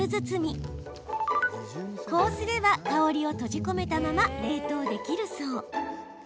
こうすれば香りを閉じ込めたまま冷凍できるそう。